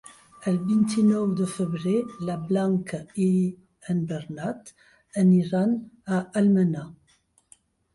El vint-i-nou de febrer na Blanca i en Bernat aniran a Almenar.